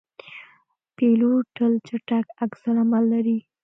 پیلوټ تل چټک عکس العمل لري.